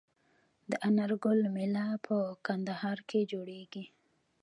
د انار ګل میله په کندهار کې جوړیږي.